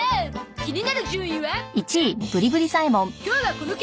気になる順位はこちら！